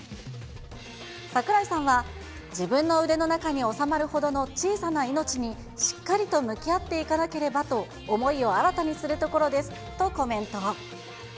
櫻井さんは、自分の腕の中に収まるほどの小さな命にしっかりと向き合っていかなければと、思いを新たにするところですとコメント。